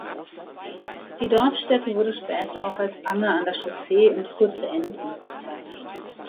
Die Dorfstätte wurde später auch als "Anger an der Chaussee" und "kurze Enden" bezeichnet.